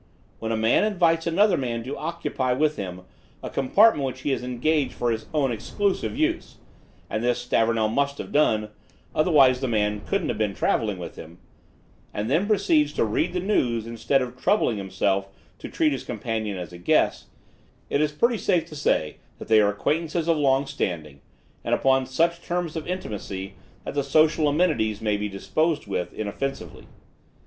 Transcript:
When a man invites another man to occupy with him a compartment which he has engaged for his own exclusive use and this Stavornell must have done, otherwise the man couldn't have been travelling with him and then proceeds to read the news instead of troubling himself to treat his companion as a guest, it is pretty safe to say that they are acquaintances of long standing, and upon such terms of intimacy that the social amenities may be dispensed with inoffensively.